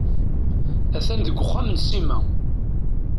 A-t-an deg uxxam n Sima.